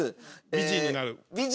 美人になる。